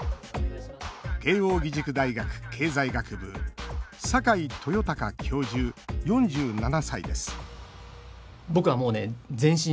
慶應義塾大学経済学部坂井豊貴教授、４７歳です